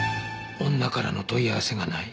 女からの問い合わせがない。